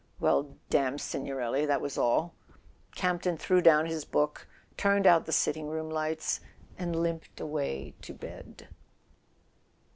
Well, damn Signorelli—that was all! Campton threw down his book, turned out the sitting room lights, and limped away to bed.